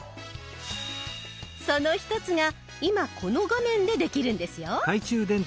その一つが今この画面でできるんですよ。